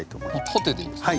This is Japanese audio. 縦でいいんですか？